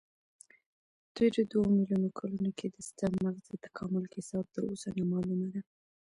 تېرو دوو میلیونو کلونو کې د ستر مغز د تکامل کیسه تراوسه نامعلومه ده.